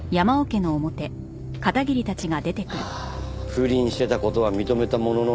不倫してた事は認めたものの。